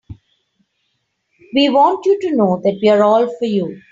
We want you to know that we're all for you.